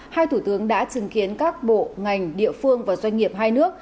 hai thủ tướng đã chứng kiến các bộ ngành địa phương và doanh nghiệp hai nước